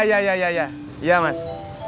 ya ya ya ya dikasih mas